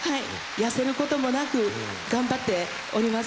痩せることもなく頑張っております。